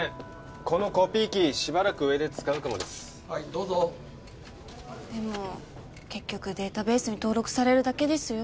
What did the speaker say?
このコピー機しばらく上で使うかもです・はいどうぞでも結局データベースに登録されるだけですよ